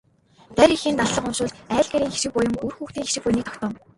Дарь эхийн даллага уншуулж айл гэрийн хишиг буян, үр хүүхдийн хишиг буяныг тогтооно.